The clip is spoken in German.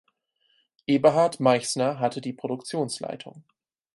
Eberhard Meichsner hatte die Produktionsleitung.